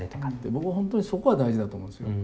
僕は本当にそこが大事だと思うんですよ。